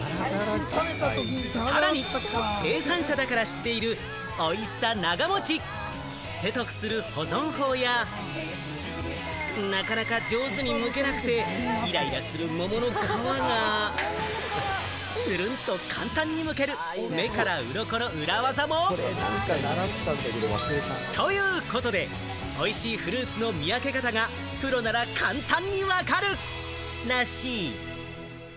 さらに生産者だから知っている美味しさ長もち、知って得する保存法や、なかなか上手にむけなくてイライラする桃の皮が、ツルンと簡単に剥ける、目からウロコの裏ワザも！ということで、美味しいフルーツの見分け方がプロなら簡単に分かるらしい。